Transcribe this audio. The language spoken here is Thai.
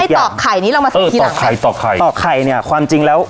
ไอ้ตอกไข่นี้เรามาสักทีหนังสิตอกไข่ตอกไข่ตอกไข่เนี้ยความจริงแล้ว